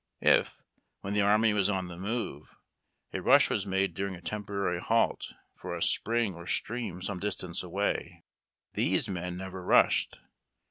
If, when the army was on the move, a rush was made during a temporary halt, for a spring or stream some distance away, these men never rushed.